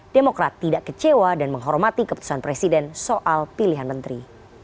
demokrat tidak kecewa dan menghormati keputusan presiden soal pilihan menteri